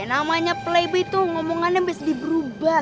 namanya playboy tuh ngomongannya mesti berubah